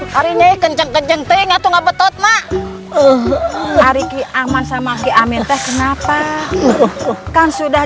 hari ini kenceng kenceng tingat nggak betul mak hari kiamat sama kiamin teh kenapa kan sudah